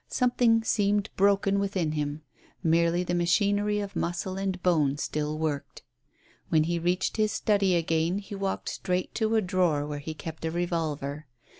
Something seemed broken within him ; merely the machinery of muscle and bone still worked. When he reached his study 106 WON AT LAST, again he walked straight to a drawer where he kept a revolver.